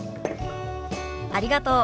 ありがとう。